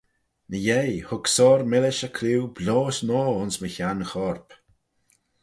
Ny-yeih hug soar millish y clieau bioys noa ayns my henn chorp.